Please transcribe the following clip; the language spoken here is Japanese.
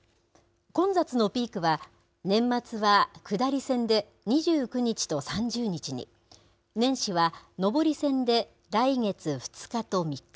混雑のピークは、年末は下り線で２９日と３０日に、年始は上り線で来月２日と３日。